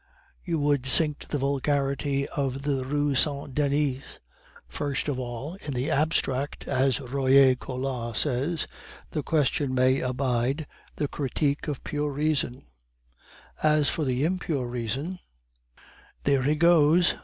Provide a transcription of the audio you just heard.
You would sink to the vulgarity of the Rue Saint Denis! First of all, 'in the abstract,' as Royer Collard says, the question may abide the Kritik of Pure Reason; as for the impure reason " "There he goes!"